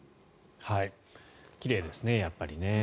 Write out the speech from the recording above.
奇麗ですね、やっぱりね。